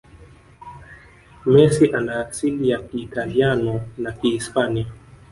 Messi ana asili ya kiitaliano na kihispania